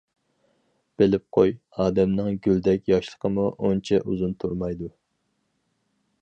- بىلىپ قوي، ئادەمنىڭ گۈلدەك ياشلىقىمۇ ئۈنچە ئۇزۇن تۇرمايدۇ.